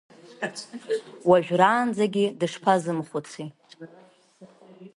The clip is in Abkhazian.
Уажәраанӡагьы дышԥазымхәыци.